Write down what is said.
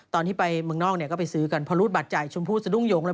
ตอนที่ไปเมืองนอกเนี่ยก็ไปซื้อกันพอรูดบัตรจ่ายชมพูสะดุ้งโยงเลย